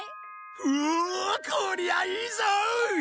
うおこりゃいいぞ！